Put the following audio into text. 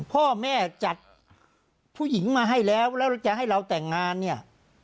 พ่อแม่จัดผู้หญิงมาให้แล้วแล้วจะให้เราแต่งงานเนี่ย